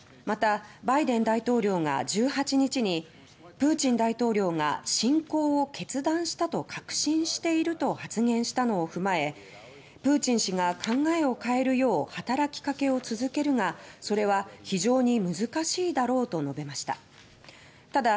またバイデン大統領が１８日に「プーチン大統領が侵攻を決断したと確信している」と発言したのを踏まえ「プーチン氏が考えを変えるよう働きかけを続けるがそれは非常に難しいだろう」と述べました。